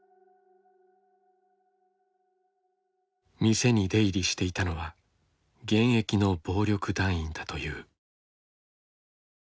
店に出入りしていたのは現役の暴力団員だという。